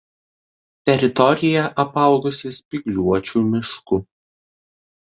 Teritorija apaugusi spygliuočių mišku.